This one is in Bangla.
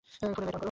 ফোনের লাইট অন করো।